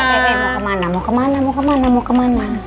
eh mau ke mana